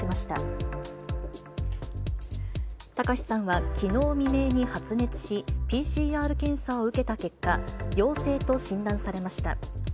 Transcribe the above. たかしさんは、きのう未明に発熱し、ＰＣＲ検査を受けた結果、陽性と診断されました。